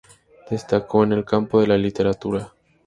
Destacó en el campo de la literatura.